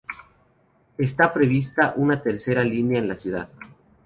Está prevista una tercera línea en la ciudad.